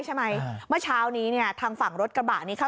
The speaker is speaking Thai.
ใช่ไหมเมื่อเช้านี้เนี้ยทางฝั่งรถกระบาดนี้ค่ะ